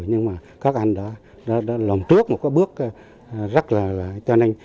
nhưng mà các anh đã làm trước một cái bước rất là cho nên